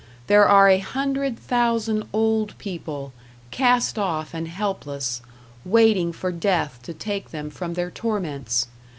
There are a hundred thousand old people, cast off and helpless, waiting for death to take them from their torments!